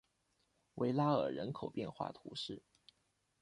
维拉尔人口变化图示